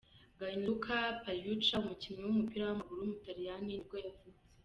Gianluca Pagliuca, umukinnyi w’umupira w’amaguru w’umutaliyani nibwo yavutse.